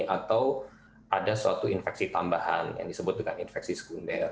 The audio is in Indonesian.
atau ada suatu infeksi tambahan yang disebut dengan infeksi sekunder